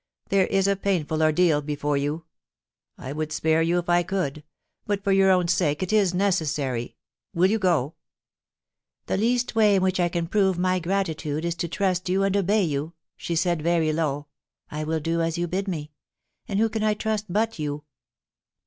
There is a pain ful ordeal before you. I would spare you if I could ; but for your own sake it is necessary. Will you go ?The least way in which I can prove my gratitude is to trust you and obey you,' she said, very low. * I will do as you bid me. And who can I trust but you